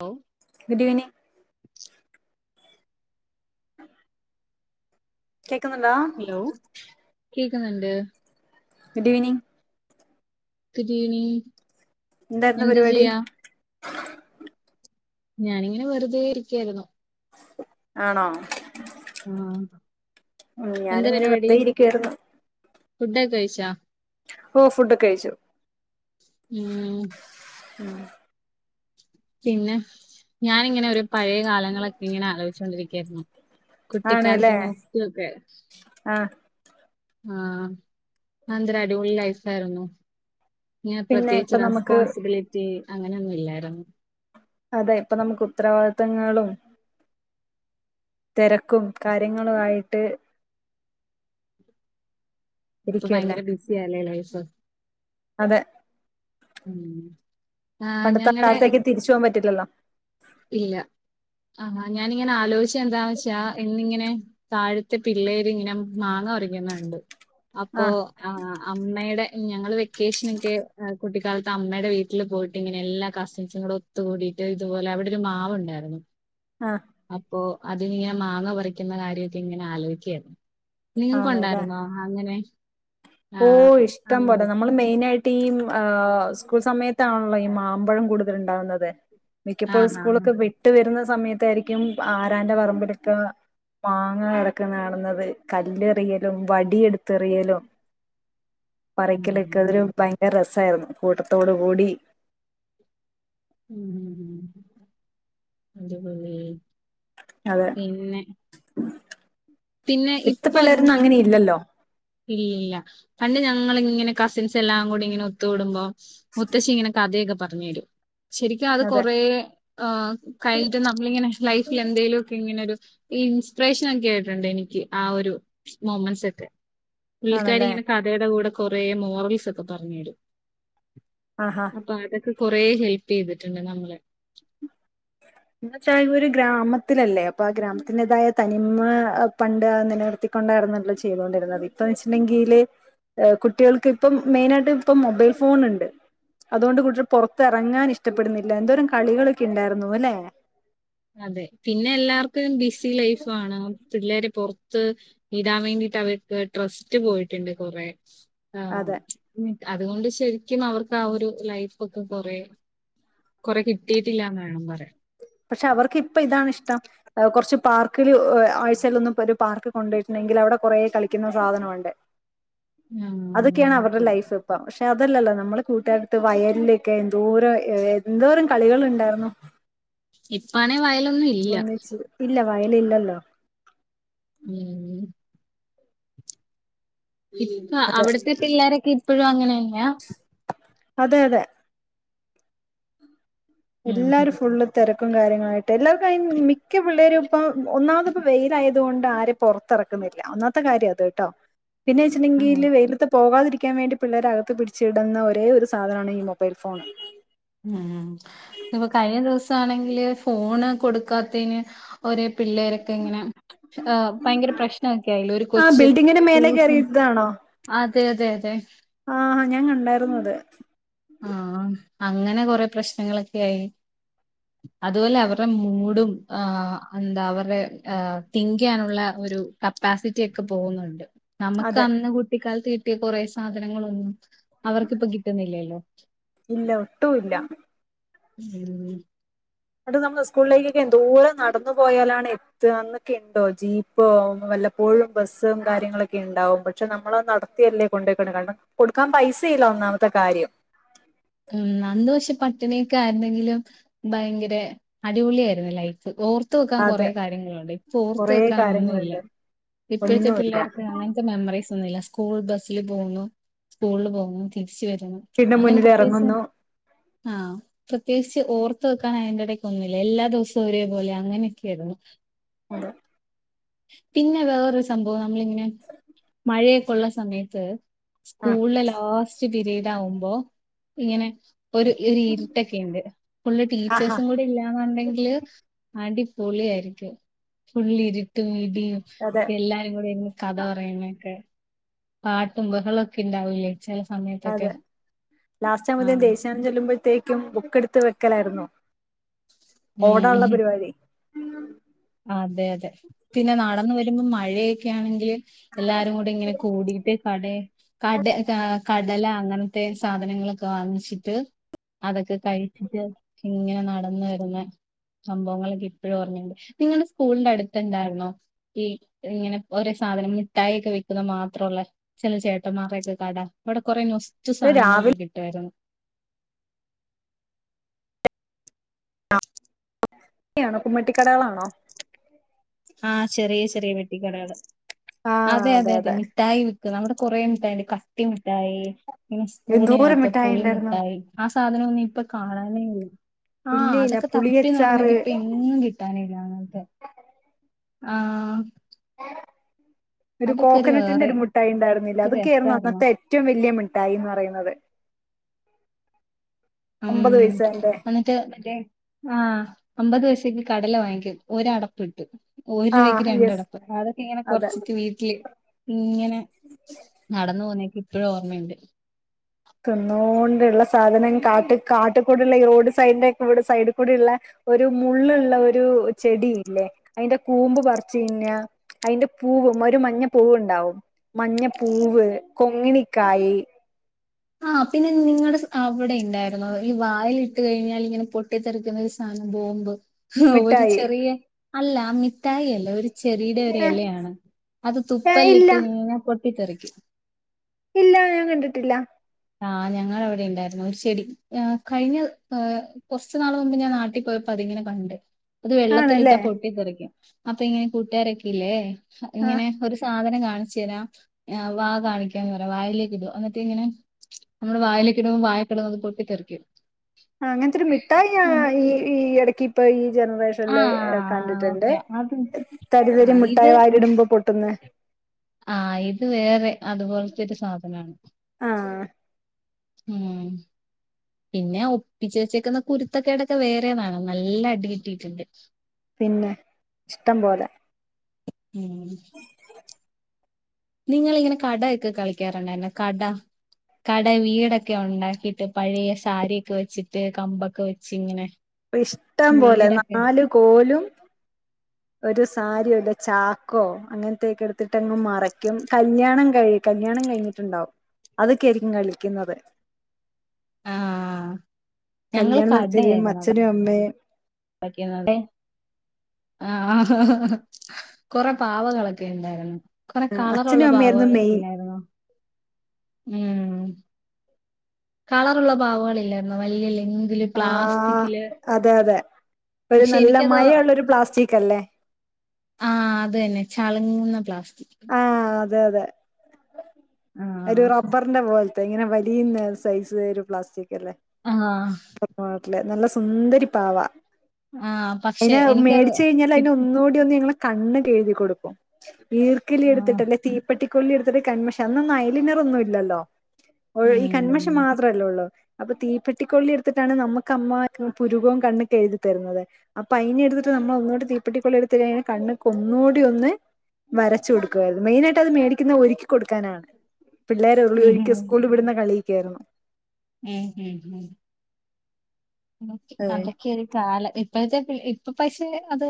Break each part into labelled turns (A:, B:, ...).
A: Hello
B: good evening കേക്കുന്നുണ്ടാ
A: hello കേക്കുന്നുണ്ട്
B: good evening
A: കരിയണീ
B: എന്തായിര്ന്ന്. പരിപാടി
A: ഞാനിങ്ങനെ. വെറുതെ ഇരിക്കായിരുന്നു
B: ആണോ
A: ആഹ
B: മ്മ്... ഞാനുങ്ങനെ വെറുതെ ഇരിക്കേര്ന്നു
A: ഫുഡൊക്കെ കഴിച്ചാ?
B: ഓ... ഫുഡൊക്കെ കഴിച്ചു.
A: ഉം പിന്നെ.. ഞാനിങ്ങനെ ഒരു പഴയ കാലങ്ങളൊക്കെ ഇങ്ങനെ ആലോചിച്ചോണ്ടിരിക്കയാര്ന്നേ... കുട്ടിക്കാലത്തെ
B: ആണല്ലേ
A: നൊസ്റ്റുവൊക്കെ
B: ആ
A: ങാ... ഹ് അത് എന്തര് അടിപൊളി ലൈഫാരുന്നു. ങാ...
B: പിന്നെ
A: പ്രത്യേകിച്ച്
B: ഇപ്പൊ നമുക്ക്
A: റെസ്പോൺസിബിലിറ്റി അങ്ങനെൊന്നും ഇല്ലാരുന്നു.
B: അതെ.. ഇപ്പൊ നമുക്ക് ഉത്തരവാ ത്വങ്ങളും.. തെരക്കും.. കാര്യങ്ങളുആയിട്ട്
A: ഇപ്പൊ
B: ഇരിക്കുവല്ലേ
A: ഭയങ്കര ബിസിയാല്ലേ... ലൈഫ്.
B: അതെ.
A: ഉം... ആഹ് ഞങ്ങടെ
B: പണ്ടത്തെക്കാലത്തേക്ക് തിരിച്ച് പോകൻ പറ്റില്ലല്ലോ...
A: ഇല്ല. ങാ... ഹ് ഞാനിങ്ങനെ ആലോചിച്ച എന്താന്ന് വെച്ചാ.. ഇന്നിങ്ങനെ... താഴത്തെ പിള്ളേര് ഇങ്ങനെ.. മാങ്ങ പറിക്കണകണ്ടു. അപ്പോ...
B: ആ
A: അ.. അമ്മേടെ ഞങ്ങള്‌ വെക്കെഷനെക്കെ കുട്ടിക്കാലത്ത് അമ്മയുടെ വീട്ടിൽ പോയിട്ട്... ഇങ്ങനെ എല്ലാ കസിൻസും ഒത്തുകൂടിയിട്ട്... ഇതുപോലെ അവിടെ മാവ്ണ്ടായിരുന്നു..
B: ആ
A: അപ്പോ അതിന്നിങ്ങനെ മാങ്ങ പറിക്കുന്ന കാര്യമൊക്കെ ഇങ്ങനെ ആലോചിക്കെയാരുന്നു...
B: ആണല്ലേ
A: നിങ്ങക്കുണ്ടായിരുന്നോ അങ്ങനെ?
B: ഓ...
A: ആഹ്
B: ഇഷ്ടം
A: അമ്മ
B: പോലെ. നമ്മള് മെയിനായി ടീം... ആ... ഹ്... സ്കൂൾ സമയത്താണല്ലോ ഈ മാമ്പഴം കൂടുതൽ ഉണ്ടാവുന്നത്. മിക്കപ്പോഴും
A: ആഹ് ആഹ്
B: സ്കൂളൊക്കെ വിട്ടു വരുന്ന സമയത്തായിരിക്കും ആരാന്റെ പറമ്പിലൊക്ക മാങ്ങ കിടക്കന്നെ കാണുന്നത്. കല്ലെറിയലും, വടിയെടുത്തെറിയലും
A: ഉം
B: പറിക്കലക്കതൊരു ഭയങ്കര രസായിരുന്നു. കൂട്ടത്തോടു കൂടി -
A: ഉം.. ഉം.. ഉം.. എന്താപ്പോള്ളേ...
B: അതെ
A: പിന്നെ.. പിന്നെ
B: ഇപ്പത്തെ
A: ഇപ്പൊ...
B: പിള്ളേരൊന്നും അങ്ങനെ ഇല്ലല്ലോ
A: ഇല്ലില്ല.. പണ്ട് ഞങ്ങളിങ്ങനെ കസിൻസ് എല്ലാം കൂടി ഇങ്ങനെ ഒത്തുകൂടുമ്പോ മുത്തശ്ശി ഇങ്ങനെ കഥയൊക്കെ പറഞ്ഞു തരും. ശരിക്കും അത്
B: അതെ
A: കൊറേ... ആ.. ഹ് കഴിഞ്ഞിട്ട് നമ്മളിങ്ങനെ ലൈഫിലെന്തേലുഒക്കെ ഇങ്ങനൊരു ഈ ഇൻസ്പിറേഷൻ ഒക്കെ ആയിട്ടുണ്ട് എനിക്ക്... ആ ഒരു മൊമെന്റ്സ് ഒക്കെ പുള്ളിക്കാരി
B: ആണല്ലേ
A: ഇങ്ങനെ കഥയുടെ കൂടെ കുറേ... മോറൽസ് ഒക്കെ പറഞ്ഞരും.
B: ആഹാ
A: അപ്പൊ അതൊക്കെ കൊറേ... ഹെല്പ് ചെയ്തിട്ടുണ്ട് നമ്മളെ
B: എന്ന്വെച്ചാൽ അത് ഒരു ഗ്രാമത്തിലല്ലേ... അപ്പോ ആ ഗ്രാമത്തിന്റേതായ തനിമ.. പണ്ട് നിലനിർത്തി ക്കൊണ്ടായിരുന്നല്ലോ ചെയ്തൊണ്ടിരുന്നത്. ഇപ്പന്ന് വെച്ചിട്ടണ്ടെങ്കില് കുട്ടികൾക്ക് ഇപ്പം മെയിനായിട്ട് ഇപ്പം മൊബൈൽ ഫോണുണ്ട് അതുകൊണ്ട് കുട്ടികൾ പുറത്തിറങ്ങാൻ ഇഷ്ടപ്പെടുന്നില്ല. എന്തോരം കളികളൊക്കെ ഉണ്ടായിരുന്നൂല്ലെ?
A: അതെ.. പിന്നെ എല്ലാർക്കും ബിസി ലൈഫാണ്... പിള്ളേര് പൊറത്ത്... വിടാൻ വേണ്ടിട്ട് അവർക്ക് ട്രസ്റ്റ് പോയിട്ടുണ്ട്.. കൊറേ ആ... ഹ്..
B: അതെ
A: മ്ച്ച്.. അതുകൊണ്ട് ശരിക്കും അവർക്ക് ആ ഒരു ലൈഫ് ഒക്കെ കൊറേ കൊറെ കിട്ടിയിട്ടില്ലാന്ന് വേണം പറയാൻ.
B: പക്ഷെ അവർക്ക് ഇപ്പ ഇതാണ് ഇഷ്ടം.. കെറച്ച് പാർക്കില്... ഏ.. ആഴ്ചയിലൊന്ന് ഒരു പാർക്കികൊണ്ടോയിട്ടുണ്ടെങ്കി അവിടെ കൊറെ കളിക്കുന്ന സാധനമൊണ്ട്. അതൊക്കെയാണ് അവരുടെ
A: ആഹ്
B: ലൈഫ് ഇപ്പം. പക്ഷെ പക്ഷെ അതല്ലല്ലോ നമ്മള് കൂട്ടുകാരൊത്ത് വയലിലൊക്കെ എന്തോരം... എന്തോരം... കളികള്ണ്ടാരുന്നു.
A: ഇപ്പാണെ വയലും
B: ഒന്നിച്ച്.. ഇല്ല വയലില്ലല്ലോ?
A: ഉം.. ഇപ്പ..
B: അതെ
A: അവിടത്തെപ്പിള്ളേരൊക്കെ ഇപ്പഴും അങ്ങനന്നയാ...?
B: അതെ.. അതെ.
A: ഉം
B: എല്ലാരും ഫുള്ള് തെരക - കാര്യങ്ങളായിട്ട് എല്ലാവർക്കും മിക്ക മിക്ക പിള്ളേരും ഇപ്പോ ഒന്നാമത്പ്പോ വെയിലായതുകൊണ്ട് ആരെ പുറത്തിറക്കുന്നത് ഒന്നാത്തെ കാര്യം അത്ട്ടോ പിന്നെ
A: ആഹ്
B: വെച്ചട്ടെങ്കില് വെയിലതത്‌ പോകാതിരിക്ക ഇരിക്കാൻ വേണ്ടി പിള്ളേരെകത്ത് പിടിച്ചി ഇടുന്ന ഒരേ ഒരു സാധനമാണ് ഈ മൊബൈൽ ഫോൺ
A: ഉം... ഇപ്പൊ കഴിഞ്ഞ ദിവസാണെങ്കില് ഫോണ് കൊടുക്കാത്തെന് ഒരേ പിള്ളേരൊക്കെ ഇങ്ങനെ ഭയങ്കര പ്രശ്നമൊക്കി അയിൽ ഒരു കൊച്ച് ടൂഷൻ
B: ആഹ!
A: അതെ... അതെ..... അതെ...
B: കണ്ടായിരുന്നു അത്
A: ആഹ! അങ്ങനെ കൊറെ പ്രശ്നങ്ങളൊക്കെ ആയി അതുപോലെ അവരുടെ മൂടും, എന്താ അവരുടെ തിങ്ക് ചെയ്യാനുള്ള ഒരു കപ്പാസിറ്റി ഒക്കെ പോകുന്നുണ്ട് നമുക്ക്
B: അതെ
A: അന്ന് കുട്ടിക്കാലത്ത് കിട്ടിയ കുറെേ സാധനങ്ങളൊന്നും അവർക്കിപ്പം കിട്ടുന്നില്ലല്ലോ!
B: ഇല്ല ഒട്ടുമല്ല.
A: ഉം.
B: അത് നമ്മൾ സ്കൂളിലേക്കൊക്കെ എന്തോരം നടന്നു പോയാലാണ് എത്ത എന്നൊക്കെ ഉണ്ടോ ജീപ്പോ വല്ലപ്പോഴും ബസും കാര്യങ്ങളൊക്കെ വല്ലപോയും ബസ്സും കാര്യങ്ങളൊക്കെ ഉണ്ടാവും, പക്ഷെ നമ്മൾ നടത്തിയല്ലേ കൊണ്ടയ്ക്കണ്‌, കാരണം കൊടുക്കാൻ പൈസല്യ ഒന്നാമത്തെ കാര്യം
A: ഉ. അന്ന് പക്ഷെ പട്ടിണിയൊക്കെ ആയിരുന്നെങ്കിലും, ഭയങ്കര അടിപൊളി ആയിരുന്നു ലൈഫ്! ഓർ ഓർത്ത് വെക്കാൻ കൊറെ
B: അതെ
A: കാര്യങ്ങളുണ്ട് ഇപ്പൊ ഓർത്ത്
B: കൊറേ
A: വെക്കാാൻ ഒന്നുംല്ല
B: കാര്യങ്ങളുണ്ട്
A: ഇപ്പോഴത്തെ
B: ഒന്നുമില്ല
A: പിള്ളേർക്ക് അങ്ങനത്തെ മെമ്മറീസ് ഒന്നുമില്ല. സ്കൂൾ ബസിൽ പോവുന്നു, സ്കൂളിൽ പോകുന്നു, തിരിച്ച് വരുന്നു
B: വീടിന്റെ
A: അങ്ങനെ.
B: മുന്നിൽ
A: ച്ച
B: ഇറങ്ങുന്നു
A: ആഹ! പ്രത്യേകിച്ച് ഓർത്ത് വെക്കാൻ അതിന്റെ ഇടയ്ക്ക് ഒന്നില്ല എല്ലാ ദിവസവും ഒരേപോലെ. അങ്ങനെയൊക്കെയ ആയിരുന്നു.
B: അതെ.
A: പിന്നെ വേറൊരു സംഭവം, നമ്മളിങ്ങനെ മഴയൊക്കെയുള്ള സമയത്ത്
B: ആ
A: സ്കൂളിലെ ലാസ്റ്റ് പീരീഡ് ആവുമ്പോ, ഇങ്ങനെ ഒരു ഇരുട്ടൊക്കെയുണ്ട് ഫുൾ
B: ആഹാ
A: ടീച്ചേഴ്സും കൂടി ഇല്ലാന്നുണ്ടെങ്കില് അടി അടിപൊളിയായിരിക്കും ഫുള്ളി ഇരി ട്ടും ഇടിയും
B: അതെ
A: എല്ലാരും കൂടെ കഥ പറയുന്നൊക്കെ പാട്ടും ബഹളൊക്കെ ഇണ്ടാവൂലേ!
B: അതെ! ലാസ്റ്റ് ആവുമ്പേത്തിനും
A: ആഹ്
B: ദേശ്യാഗാനം ചെല്ലുമ്പോഴത്തേക്കും ഒക്കെ എടുത്ത് വെക്കലായിരുന്നു. ഓടാനുള്ള
A: ഉം
B: പരിപാടി.
A: അതെ.... അതെ.... പിന്നെ നടന്ന് വരുമ്പോം മഴയൊക്കെ ആണെങ്കിൽ എല്ലാരും കൂടി ഇങ്ങനെ കൂടിട്ട് കട കട കട കടല അങ്ങനത്തെ സാധനങ്ങളൊക്കെ വാങ്ങിച്ചിട്ട്. അതൊക്കെ കഴിച്ചിട്ട് ഇങ്ങനെ നടന്ന് വരുന്ന സംഭവങ്ങളൊക്കെ ഇപ്പോഴും ഓർമ്മുണ്ട് നിങ്ങളുടെ സ്കൂളിന്റെ അടുത്ത്ണ്ടായിരുന്നോ ഈ ഇങ്ങനെ ഒരേ സാധനം മിഠായി ഒക്കെ വെക്കുന്ന മാത്രമള്ള ചില ചേട്ടന്മാറൊക്കെ കട, അവിടെ കൊറെേ നൊസ്റ്റു
B: ഇത്
A: സാധനങ്ങളൊക്കെ
B: രാവിലെയാണോ
A: കിട്ടുവായിരുന്നു!
B: ആണോ കുമ്മട്ടിക്കടകളാണോ?
A: ആഹ! ചെറിയ..... ചെറിയ.... വെട്ടിക്കടകള് അതെ അതെ.. അതെ... മിഠായി വി നമ്മുടെ കുറേ മുട്ടായി, കട്ടിമുട്ടായി പിന്നെ
B: എന്തോരം
A: സ്പൂണിനകത്ത്
B: മിഠായി ഉണ്ടായിരുന്നു
A: പുളിമുട്ടായി സാധനൊന്നും ഇപ്പൊ കാണാനേ ഇല്ല ആഹ!
B: ഇല്ല ഇല്ല
A: അതൊക്കെ തപ്പി
B: പുളിയച്ചാറ്
A: നടന്നിട്ട് ഇപ്പൊ എങ്ങും കിട്ടാനില്ലങ്ങത്തെ. ആഹ!
B: [unintelligible] ഒരു കോക്കനട്ടിന്റെ
A: വേറെ
B: ഒരു മുിട്ടായി ഉണ്ടായിരുന്നില്ല!
A: ഒരു
B: അതൊക്കെയായിരുന്നു
A: രസായിരുന്നു
B: അന്നത്തെ ഏറ്റവും വലിയ മിട്ടായിന്ന് പറയുന്നത് [inaudible] ഒമ്പത്
A: ഉം....
B: പൈസേന്റെ
A: എന്നിട്ട്റ്റേ ആഹ. അമ്പത് പൈസക്ക് കടല വാങ്ങിക്കും. ഒരടപ്പ് കിട്ടും
B: ആ
A: ഒരുപയ്ക്ക്
B: യെസ്
A: രണ്ടടപ്പം അതൊക്കെ ഇങ്ങനെ
B: അതെ
A: കൊറച്ചിട്ട് വീട്ടില് ഇങ്ങനെ നടന്നു പോവുന്നൊക്കെ ഇപ്പഴും ഓർമ്മയുണ്ട്!
B: തിന്നോണ്ടുള്ള സാധനം കാട്ട് കാട്ടിൽ കൂടെള്ള ഈ റോഡ് സൈഡിന്റെ കൂടെ സൈഡിൽ കൂടെ ഉള്ള ഒരു മുള്ളുള്ള ഒരു ചെടിയില്ലേ അതിന്റെ കൂമ്പ് പറി ച്ച് തിന്നാ അതിന്റെ പൂവും ഒരു മഞ്ഞപ്പൂവ് ഉണ്ടാവും മഞ്ഞപ്പൂവ് കൊങ്ങിണിക്കായ്
A: ആഹ് പിന്നെ നിങ്ങടെ അവിടെ ഉണ്ടായിരുന്നോ ഈ വായിൽ ഇട്ട് കഴിഞ്ഞാൽ ഇങ്ങനെ പൊട്ടിത്തെറി ക്കുന്ന ഒരു സാധനം ബോംബ് ഒരു
B: മിഠായി
A: ചെറിയ അല്ല മിഠായി അല്ല ഒരു ചെടിയുടെ ഒരു
B: ഏ
A: ഇലയാണ് അത്
B: ഏ,
A: തുപ്പല്
B: ഇല്ല
A: ഇട്ട് കഴിഞ്ഞ പൊട്ടിത്തെറിക്കും
B: ഇല്ല ഞാൻ കണ്ടിട്ടില്ല
A: ആ ഞങ്ങടെ അവിടെ ഉണ്ടായിരുന്നു ഒരു ചെടി കഴിഞ്ഞ കുറച്ച് നാൾ മുമ്പ് ഞാൻ നാട്ടിൽ പോയപ്പൊ അതിങ്ങനെ കണ്ട് അത് വെള്ളത്തിലിട്ടാ
B: ആണല്ലേ
A: പൊട്ടിത്തെറിക്കും അപ്പൊ ഇങ്ങനെ കൂട്ടുകാരൊക്കെ ഇല്ലേ
B: ആ
A: ഇങ്ങനെ ഒരു സാധനം കാണ കാണിച്ചു തരാം വാ കാണിക്കാന്ന് പറയാ വായിലേ കിടും എന്നിട്ട് ഇങ്ങനെ നമ്മുടെ വയിലേക്ക് ഇട്മ്പോ വായെ കിടന്നത്അത് പൊട്ടി തെറിക്കും
B: ആ അങ്ങനത്തെ ഒരു മിഠായി ഈ ഈ ഇടക്ക് ഇപ്പ ഈ
A: ആ
B: ജനറേഷനിൽ കണ്ടിട്ടുണ്ട്
A: ഓക്കെ അത് ആ
B: തരിതരി
A: ഇത്
B: മുട്ടായി വായി ഇടുമ്പോ പൊട്ടുന്നെ
A: ആ ഇത് വേറെ അതുപോലത്തെ ഒരു സാധനമാണ്
B: ആഹ്
A: ഉം പിന്നെ ഒപ്പിച്ച് വെച്ചേക്കുന്ന കുരുത്തക്കേടൊക്കെ വേറെതാ ണ് നല്ല അടി കിട്ടിയിട്ടുണ്ട്
B: പിന്നെ ഇഷ്ട്ടം പോലെ
A: ഉം നിങ്ങിള് ഇങ്ങനെ കട ഒക്കെ കളിക്കാറുണ്ടായിരുന്നോ കട കട വീടൊക്കെ ഉണ്ടാക്കിട്ട് പഴയ സാരിയൊക്കെ വെച്ചിട്ട് കമ്പൊക്കെ വെച്ച് ഇങ്ങനെ
B: ഇഷ്ടം പോലെ
A: വീടൊക്കെ
B: നാലു കോലും ഒരു സാരിയുടെ ചാക്കോ അങ്ങനത്തെയക്കെ എടുത്തിട്ട് അങ്ങ് മറയ്ക്കും കല്യാണം കഴി കല്യാണം കഴിഞ്ഞിട്ടുണ്ടാവും അതൊക്കെ ആയിരിക്കും കളിക്കുന്നത്
A: ആ ഞങ്ങള്
B: കല്യാണം നടത്തിയും അച്ഛനും അമ്മയും
A: [unintelligible] അതൊ ക്കെ ഇവിടേം ആ കൊറെ പാവകളൊക്കെ ഉണ്ടായിരുന്നു കൊറെ കളറുള്ള
B: അച്ഛനും
A: പാവക
B: അമ്മയായിരുന്നു
A: ളൊക്കെ
B: മെയിൻ
A: ഇല്ലായിരുന്നോ ഉം കളറുള്ള പാവകളില്ലായിരുന്നോ വലിയ ലെന്തില്
B: ആഹ്
A: പ്ലാസ്റ്റിക്കില്
B: അതെ അതെ ഒരു
A: പക്ഷെ
B: നല്ല
A: എനിക്കത്
B: മഴമു ള്ള ഒരു പ്ലാസ്റ്റിക് അല്ലേ
A: ആ അതുതന്നെ ചളു ങ്ങുന്ന പ്ലാസ്റ്റിക്ക്
B: ആ അതെ അതെ ഒരു
A: ആഹ്
B: റബ്ബറിന്റെ പോലെ ത്തെ ഇങ്ങനെ വലിയുന്ന ഒരു സൈസ് ഒരു
A: ആഹ്
B: പ്ലാസ്റ്റിക്കല്ലെനല്ല [unintelligible] സുന്ദരി പാ വാ
A: ആഹ് പക്ഷെ
B: അതിനെ
A: എനിക്കത്
B: മേടിച്ച് കഴിഞ്ഞാൽ അതിനെ
A: കിട്ടി
B: ഒന്നുകൂടി ഒന്ന്ഞങ്ങള് - കണ്ണ്ക്കെ ഏഴുതികൊടുക്കും ഈർക്കിലി
A: ആഹ്
B: എടുത്തിട്ടല്ലേ തീപ്പെട്ടി കൊല്ലി എടുത്തിട്ട് കൺമശി അന്ന് ഒന്നും അയലിനർ ഒന്നും ഇല്ലല്ലോ ഈ
A: ഉം
B: കൺമശി മാത്രമല്ലേ ഉള്ളൂ അപ്പൊ തീപ്പെട്ടിക്കൊള്ളി എടുത്തിട്ടാണ് നമ്മുക്ക് അമ്മ പുരുകവും കണ്ണെക്കെ എഴുതി തരുന്നത് അപ്പൊ അയിനെ എടുത്തിട്ട് നമ്മൾ മ്മള ഒന്നൂടി തീപ്പിട്ടിക്കൊള്ളി എടുത്ത് കണ്ണക്ക് ഒന്നൂടി ഒന്ന് വരച്ചു കൊടുക്കായിരുന്നു മെയിനാ യിട്ട് അത് മേടിക്കുന്ന ഒരുക്കി കൊടുക്കാനാണ് പിള്ളേര് ഉ
A: ഉം
B: ഒരിക്കി സ്കൂളിൽ വിടുന്ന കളി കേറണം
A: ഉം ഉം ഉം അതൊക്കെ ഒരു കാലം ഇപ്പോഴത്തെ ഇപ്പ പക്ഷെ അത്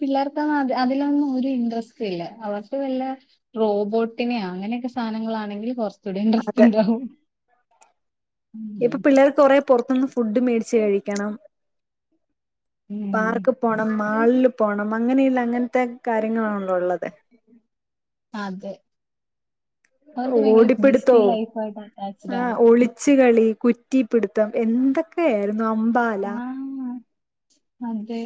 A: പിള്ളേർക്കൊന്നും അ അതിലൊന്നും ഒരു ഇൻട്രസ്റ്റ് ഇല്ല അവർക്ക് കുറല്ല റോബോട്ടിനെ അങ്ങനെയൊക്കെ സാധനങ്ങളാണെങ്കിൽ കുറച്ച് - കുറച്ച് കൂ ടെ
B: അത്
A: ഇൻട്രസ്റ്റ് ഉണ്ടാവും
B: ഇപ്പൊ
A: ഉം
B: പിള്ളേർക്ക് കുറെ പുറത്തുനിന്ന് ഫുഡ് മേടി ച്ച് കഴിക്കണം
A: ഉം
B: പാർക്ക് പോണം മാളിൽ പോണം അങ്ങനെയുള്ള അങ്ങനത്തെ കാര്യങ്ങളാണല്ലോ ഉള്ളത്
A: അതെ അവർക്ക് ഭയങ്കര
B: ഓടിപ്പിടുത്തോ
A: ബിസി ലൈഫായിട്ട് അറ്റാച്ച്ഡ്
B: ആ
A: ആണ്
B: ഒളിച്ച കളി കുറ്റിപിടുത്തം എന്തൊക്കെയ ആയിരുന്നു അ
A: ആ അതേ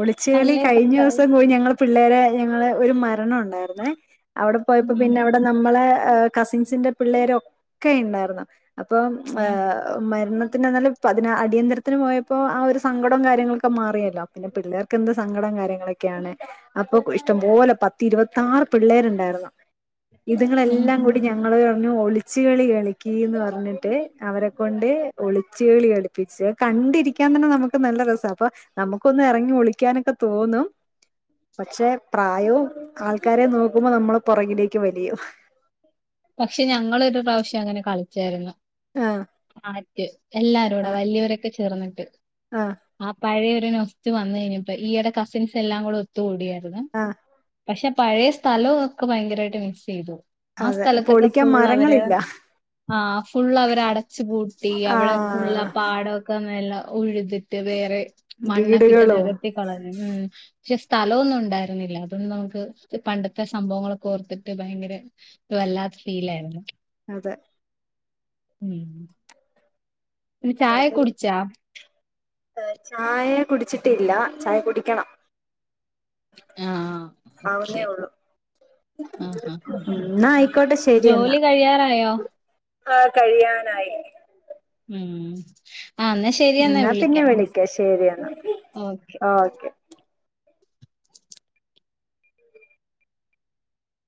B: ഒളിച്ച കളി കഴിഞ്ഞ ദിവസം കൂടി ഞങ്ങള് പിള്ളേരെ ഞങ്ങള് ഒരു മരണം ഉണ്ടായിരുന്നേ അവിടെ പോയപ്പോ
A: ഉം,
B: പിന്നെ അവിടെ നമ്മളെ കസിൻസിന്റെ പിള്ളേര ഒക്കെ ഉണ്ടായിരുന്നു അപ്പം
A: ഉം.
B: മരണ പിന്നെ ന്നലെഅടിയന്തരത്തിന് പോയപ്പോൾ ആ ഒരു സങ്കടവും കാര്യങ്ങളൊക്കെ മാറിയല്ലോ പിന്നെ പിള്ളേർക്ക് എന്ത് സങ്കടം കാര്യങ്ങളൊക്കെയാണ് അപ്പൊ ഇഷ്ടംപോലെ പത്തി ഇരുപത്തി ആറ് പിള്ളേരുണ്ടായിരുന്ന
A: ഉം
B: ഇതുങ്ങളെല്ലാം
A: ഉം.
B: കൂടി ഞങ്ങള ഒിളിച്ച് കളി കളിക്ക് ന്ന് പറഞ്ഞിട്ട് അവരെ കൊണ്ട് ഒളിച്ച കളി കളി പിച്ച കള ണ്ടിരിക്കാൻ തന്നെ നമുക്ക് നല്ല രസ അപ്പൊ നമുക്കൊന്ന് ഇറങ്ങി ഒളിക്കാനൊക്കെ തോന്നും പക്ഷെ പ്രായവും ആൾക്കാരെ നോക്കുമ്പോ നമ്മള് പുറകിലേക്ക് വലിയും
A: പക്ഷെ ഞങ്ങൊളൊരു പ്രാവശ്യം അങ്ങനെ കളിച്ചായിരുന്നു
B: ആ
A: എല്ലാരുടെ വല്യാരൊക്കെ ചേർന്നിട്ട്
B: ആഹ്
A: ഒ നൊസ്റ്റു വന്ന കഴിഞ്ഞപ്പ ഈടെ കസിൻസ് എല്ലാം കൂടെ ഒത്തുകൂടിയാർന്നു
B: ആഹ്
A: പക്ഷെ പഴയ സ്ഥലവും ഒക്കെ ഭയങ്കരമായിട്ട് മിസ് ചെയ്തു ആ
B: അതെ പൊളിക്കാൻ മരങ്ങളില്ല
A: ആ ഫുള്ള അവര് അടച്ചു പൂട്ടി അവിടെ ഫുള്ള
B: ആഹ്
A: പാടക്കെ നല്ല ഉഴുതിട്ട് വേറെ മണ്ണാക്കിട്ട്
B: വീടുകളും
A: നികർത്തി കളഞ്ഞു ഉം പക്ഷെ സ്ഥലമൊന്നും ഉണ്ടായിരുന്നില്ല അതൊണ്ട് നമുക്ക് പണ്ടത്തെ സംഭവങ്ങളൊക്കെ ഓർത്തിട്ട് ഭയങ്കര അ വല്ലാത്തെ ഫീലായിരുന്നു
B: അതെ
A: ഉം ചായ
B: അതൊരു
A: കുടിച്ചാ
B: ചായ കുടിച്ചിട്ടില്ല ചായ കുടിക്കണം
A: ആ
B: ആ കുന്നേ ഉള്ളു
A: ആഹ് ആഹ്
B: എന്നാ ആയിക്കോട്ടെ ശരി എന്നാ
A: ജോലി കഴിയാറായോ
B: ആഹ കഴിയാനായി
A: ഉ ആ എന്നാ ശരിയെന്നാ
B: എന്നാ പിന്നെ
A: വിളിക്കാം
B: ശരി എന്നാ
A: ഓക്കെ